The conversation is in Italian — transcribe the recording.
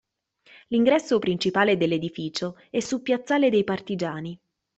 L'ingresso principale dell'edificio è su Piazzale dei Partigiani.